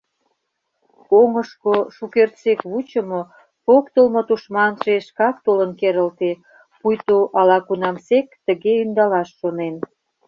Оҥышко шукертсек вучымо, поктылмо тушманже шкак толын керылте, пуйто ала-кунамсек тыге ӧндалаш шонен.